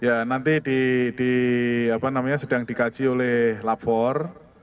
ya nanti di apa namanya sedang dikaji oleh lapor